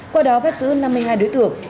qua đó phát giữ năm mươi hai đối tượng